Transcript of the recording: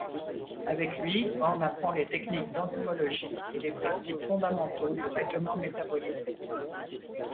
Avec lui, Brown apprend les techniques d'enzymologie et les principes fondamentaux du règlement métabolique.